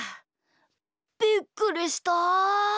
びっくりした！